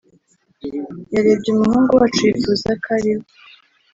yarebye umuhungu wacu yifuza ko ari we